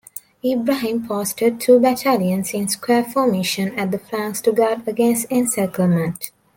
Ibrahim posted two battalions in square formation at the flanks to guard against encirclement.